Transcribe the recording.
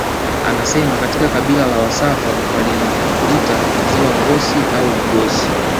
Anasema katika kabila la wasafa waliliita ziwa Ngosi au Ligosi